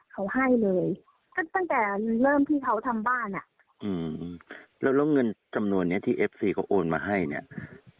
เขาให้เลยก็ตั้งแต่เริ่มที่เขาทำบ้านอ่ะอืมแล้วแล้วเงินจำนวนเนี้ยที่เอฟซีเขาโอนมาให้เนี่ย